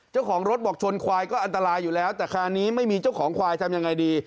เจ้าของรถบอกชนควายก็อันตรายอยู่แล้วแต่คราวนี้ไม่มีเจ้าของควายทำยังไงดี